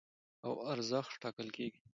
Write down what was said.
او ارزښت ټاکل کېږي.